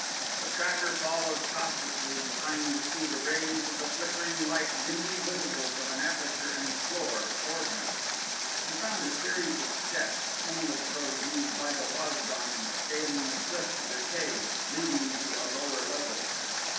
The tracker followed cautiously in time to see the rays of the flickering light dimly visible from an aperture in the floor before him. Here he found a series of steps, similar to those used by the Waz don in scaling the cliff to their caves, leading to a lower level.